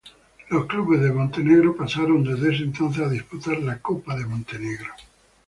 Los clubes de Montenegro pasaron desde ese entonces a disputar la Copa de Montenegro.